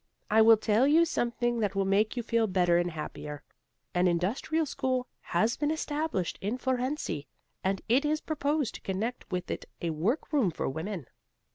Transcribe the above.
I will tell you something that will make you feel better and happier. An Industrial School has been established in Fohrensee and it is proposed to connect with it a work room for women.